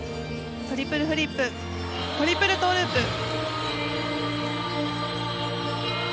トリプルフリップトリプルトウループ。